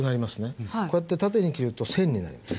こうやって縦に切ると線になります。